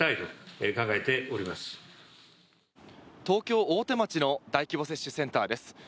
東京・大手町の大規模接種センターです。